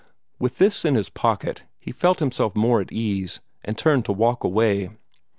With this in his pocket he felt himself more at his ease, and turned to walk away.